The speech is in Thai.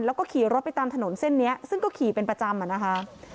แล้วก็ขี่รถไปตามถนนเส้นนี้ซึ่งก็ขี่เป็นประจำอะนะคะ